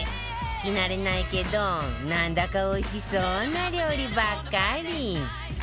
聞き慣れないけどなんだかおいしそうな料理ばっかり